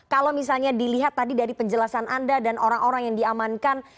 kalau misalnya dilihat tadi dari penjelasan anda dan orang orang yang diamankan